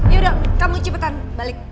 yaudah kamu cepetan balik